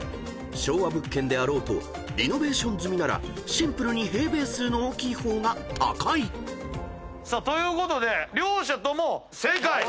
［昭和物件であろうとリノベーション済みならシンプルに平米数の大きい方が高い］ということで両者とも正解！